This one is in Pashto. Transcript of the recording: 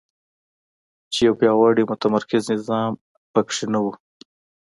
چې یو پیاوړی متمرکز نظام په کې نه وو.